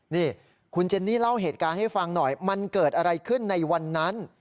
นี่คุณเจนนี่เล่าเหตุการณ์ให้ฟังหน่อยมันเกิดอะไรขึ้นในวันนั้น